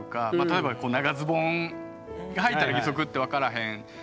例えば長ズボンはいたら義足って分からへんとかもあるし。